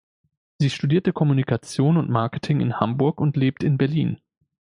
Sie studierte Kommunikation und Marketing in Hamburg und lebt in Berlin.